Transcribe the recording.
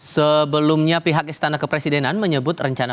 sebelumnya pihak istana kepresidenan menyebut rencana